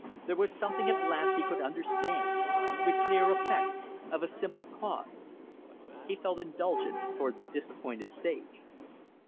There was something at last he could understand the clear effect of a simple cause. He felt indulgent towards the disappointed sage.